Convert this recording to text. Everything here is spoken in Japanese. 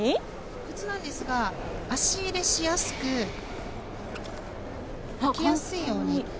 靴なんですが、足入れしやすく履きやすいように。